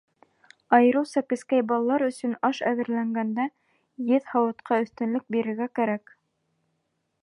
Айырыуса кескәй балалар өсөн аш әҙерләгәндә еҙ һауытҡа өҫтөнлөк бирергә кәрәк.